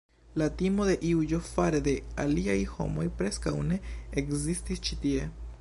La timo de juĝo fare de aliaj homoj preskaŭ ne ekzistis ĉi tie.